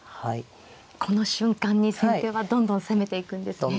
この瞬間に先手はどんどん攻めていくんですね。